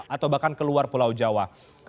atau bahkan ke luar pulau jawa